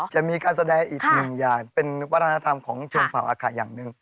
จะมีการแสดงอีกหนึ่งอย่างเป็นวัฒนธรรมของชนเผ่าอาคาอย่างหนึ่ง